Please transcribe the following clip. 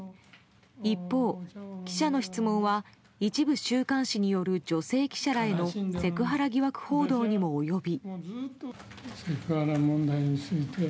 一方、記者の質問は一部週刊誌による女性記者らへのセクハラ疑惑報道にも及び。